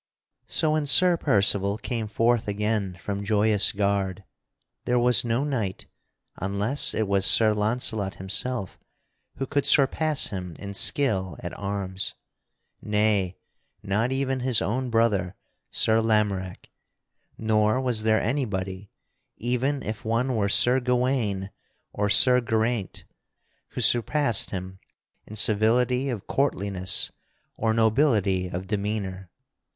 So when Sir Percival came forth again from Joyous Gard, there was no knight, unless it was Sir Launcelot himself, who could surpass him in skill at arms; nay, not even his own brother, Sir Lamorack; nor was there anybody, even if one were Sir Gawaine or Sir Geraint, who surpassed him in civility of courtliness or nobility of demeanor.